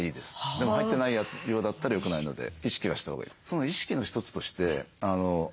でも入ってないようだったらよくないので意識はしたほうがいい。